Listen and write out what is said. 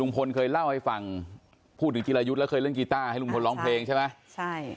เคยเล่าให้ฟังพูดถึงจิรายุทธ์แล้วเคยเล่นกีต้าให้ลุงพลร้องเพลงใช่ไหมใช่